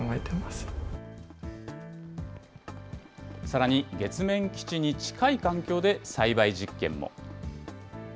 さらに、月面基地に近い環境で栽培実験も。